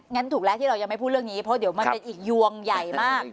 งั้นถูกแล้วที่เรายังไม่พูดเรื่องนี้เพราะเดี๋ยวมันเป็นอีกยวงใหญ่มาก